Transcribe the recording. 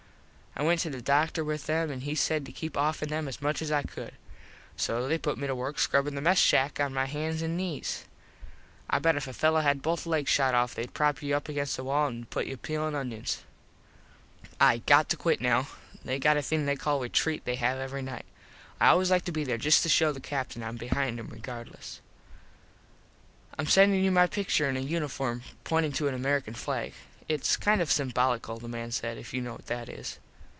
I went to the doctor with them an he said to keep offen them as much as I could. So they put me to work scrubbin the mess shack on my hans and nees. I bet if a fello had both legs shot off theyd prop you up against the wall an put you peelin onions. [Illustration: "I HAD A REPUTASHUN FOR A DEVIL WITH THE WIMEN"] I got to quit now. They got a thing called retreat they have every night. I always like to be there just to show the Captin Im behind him regardless. Im sendin you my pictur in a uniform pointin to an American flag. Its kind of simbolical the man said, if you know what that is.